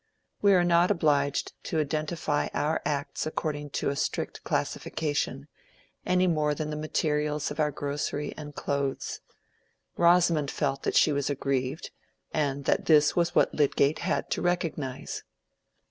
We are not obliged to identify our own acts according to a strict classification, any more than the materials of our grocery and clothes. Rosamond felt that she was aggrieved, and that this was what Lydgate had to recognize.